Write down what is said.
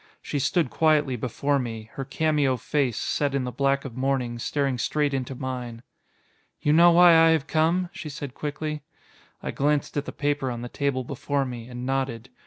She stood quietly before me, her cameo face, set in the black of mourning, staring straight into mine. "You know why I have come?" she said quickly. I glanced at the paper on the table before me, and nodded.